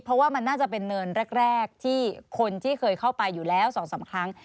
เพราะว่ามันน่าจะเป็นเนินแรกที่คนที่เคยเข้าไปอยู่แล้ว๒๓ครั้ง